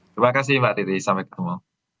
terima kasih mbak deddy sampai ketemu